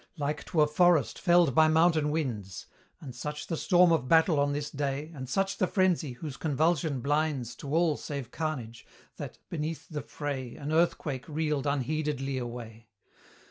Like to a forest felled by mountain winds; And such the storm of battle on this day, And such the frenzy, whose convulsion blinds To all save carnage, that, beneath the fray, An earthquake reeled unheededly away!